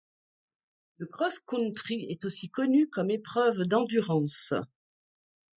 Le cross-country est aussi connu comme épreuve d'endurance.